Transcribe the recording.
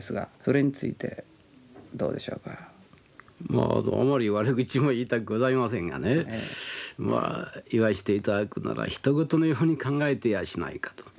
まああまり悪口も言いたくございませんがねまあ言わして頂くならひと事のように考えてやしないかと。